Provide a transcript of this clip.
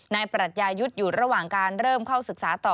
ปรัชญายุทธ์อยู่ระหว่างการเริ่มเข้าศึกษาต่อ